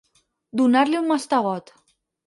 Donar-li un mastegot.